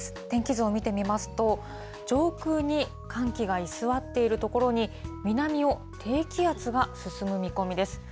天気図を見てみますと、上空に寒気が居座っているところに、南を低気圧が進む見込みです。